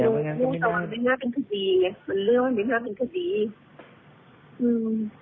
มันไม่น่าเป็นคดีไงมันเรื่องไม่น่าเป็นคดี